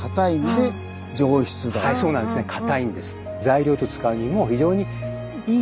それで材料として使うにも非常にいい。